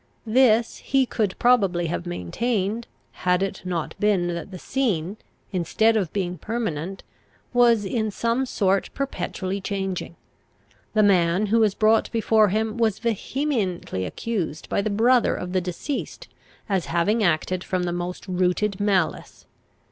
This he could probably have maintained, had it not been that the scene, instead of being permanent, was in some sort perpetually changing. The man who was brought before him was vehemently accused by the brother of the deceased as having acted from the most rooted malice.